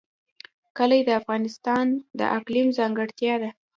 کلي د افغانستان د اقلیم ځانګړتیا ده.